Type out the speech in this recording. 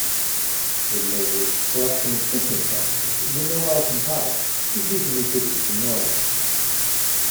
Woolaver's collection of Christmas songs, "The Noel Cantata," was recently produced in Norway.